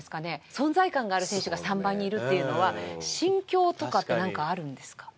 存在感がある選手が３番にいるっていうのは心境とかってなんかあるんですか？